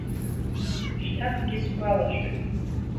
Шәҭакгьы сгәалашәоит…